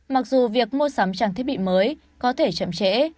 mặc dù việc mua sắm trang thiết bị mới có thể chậm trễ